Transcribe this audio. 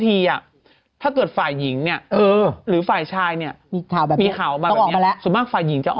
แต่ถามว่ามันไม่มีข่าวซักระยะ